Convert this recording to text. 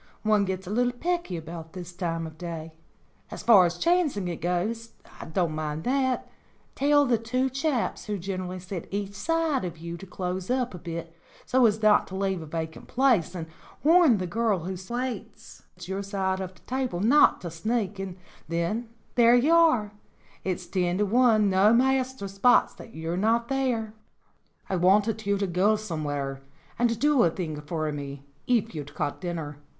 One gets a bit pecky about this time of day. As far as chancing it goes, I don't mind that; tell the two chaps who generally sit each side of you to close up a bit so as not to leave a vacant place, and warn the girl who waits your side of the table not to sneak, and then there you are ; it's ten to one no master spots that you're not there." "I wanted you to go somewhere and do a thing for me, if you'd cut dinner.